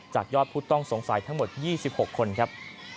จากยอดผู้ต้องสงสัยทั้งหมด๒๖คนครับ